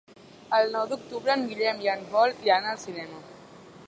El nou d'octubre en Guillem i en Pol iran al cinema.